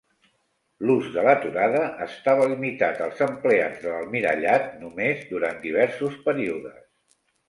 L'ús de l'aturada estava limitat als empleats de l'Almirallat només durant diversos períodes.